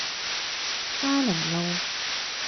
嘉齡道